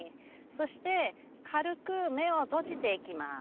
そして軽く目を閉じていきます。